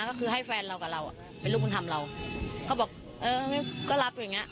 ก็คือให้แฟนเรากับเราอ่ะเป็นลูกบุญธรรมเราเขาบอกเออก็รับอย่างเงี้